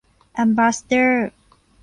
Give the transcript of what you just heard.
แอมบาสซาเดอร์